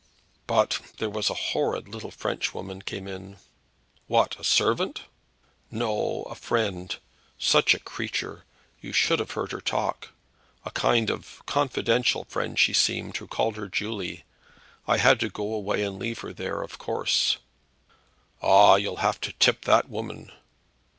"But there was a horrid little Frenchwoman came in!" "What; a servant?" "No; a friend. Such a creature! You should have heard her talk. A kind of confidential friend she seemed, who called her Julie. I had to go away and leave her there, of course." "Ah! you'll have to tip that woman."